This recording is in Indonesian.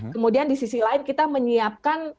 kemudian di sisi lain kita menyiapkan